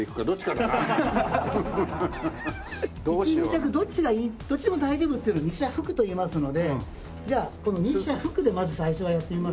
１２着がいいどっちでも大丈夫っていうのを２車複といいますのでじゃあこの２車複でまず最初はやってみましょうか。